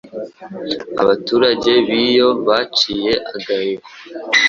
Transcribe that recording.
abaturage biyo baciye agahigo